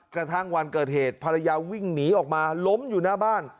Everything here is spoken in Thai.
กระทั่งวันเกิดเหตุภรรยาวิ่งหนีออกมาล้มอยู่หน้าบ้าน